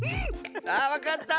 あっわかった！